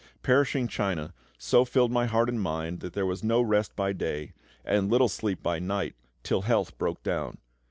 Perishing China so filled my heart and mind that there was no rest by day, and little sleep by night, till health broke down.